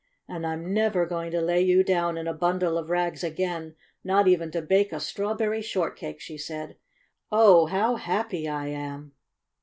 "And I'm never going to lay you down in a bundle of rags again, not even to bake a strawberry shortcake!" she said. "Oh, how happy I am